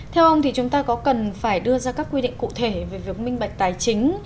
theo ông thì chúng ta có cần phải đưa ra các quy định cụ thể về việc minh bạch tài chính